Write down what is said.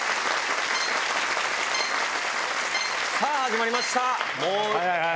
さあ始まりました。